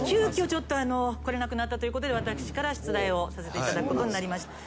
ちょっと来れなくなったということで私から出題をさせていただくことになりました。